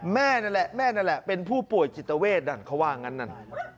แม่นั่นแหละแม่นั่นแหละเป็นผู้ป่วยจิตเวทนั่นเขาว่างั้นนั่น